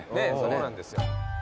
そうなんですよ。